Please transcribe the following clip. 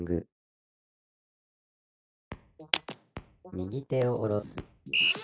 「右手を下ろす」ピッ。